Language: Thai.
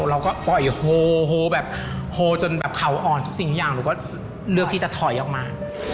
เราก็ปล่อยโฮโฮแบบโฮจนแบบเขาอ่อนทุกสิ่งทุกอย่างหนูก็เลือกที่จะถอยออกมา